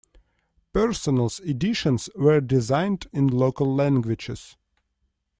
Personals editions were designed in local languages.